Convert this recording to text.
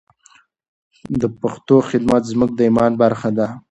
د پښتو خدمت زموږ د ایمان برخه ده.